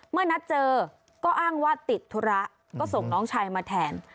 เมื่อนัดเจอก็อ้างว่าติดธุระก็ส่งน้องชายมาแทน